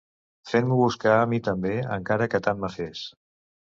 Fent-m'ho buscar a mi també, encara que tant me fes.